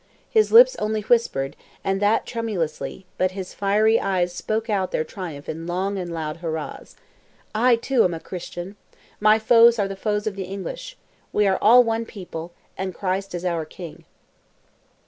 His lips only whispered, and that tremulously, but his fiery eyes spoke out their triumph in long and loud hurrahs: "I, too, am a Christian. My foes are the foes of the English. We are all one people, and Christ is our King."